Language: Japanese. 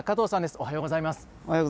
おはようございます。